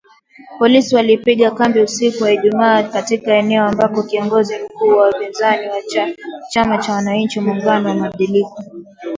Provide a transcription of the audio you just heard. Polisi walipiga kambi usiku wa Ijumaa katika eneo ambako kiongozi mkuu wa upinzani wa chama cha wananchi muungano wa mabadiliko